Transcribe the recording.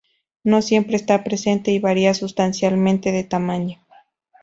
No siempre está presente, y varía sustancialmente de tamaño.